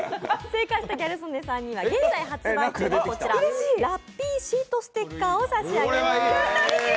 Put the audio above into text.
正解したギャル曽根さんには現在発売のこらち、ラッピーシートステッカーを差し上げます。